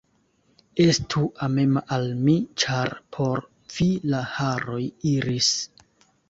Estu amema al mi, ĉar por vi la haroj iris.